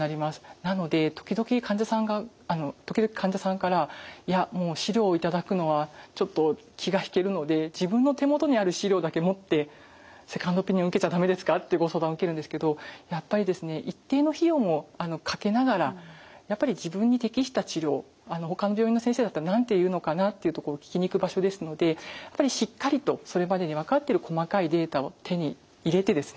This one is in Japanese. なので時々患者さんからいやもう資料を頂くのはちょっと気が引けるので自分の手元にある資料だけ持ってセカンドオピニオン受けちゃ駄目ですかってご相談受けるんですけどやっぱり一定の費用もかけながらやっぱり自分に適した治療ほかの病院の先生だったら何て言うのかなっていうところを聞きに行く場所ですのでしっかりとそれまでに分かってる細かいデータを手に入れてですね